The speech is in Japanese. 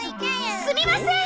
すみません！